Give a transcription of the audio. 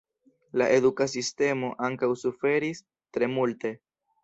La eduka sistemo ankaŭ suferis tre multe.